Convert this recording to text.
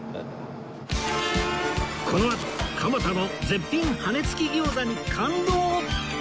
このあと蒲田の絶品羽根付き餃子に感動！